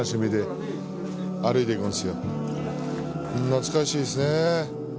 懐かしいですね。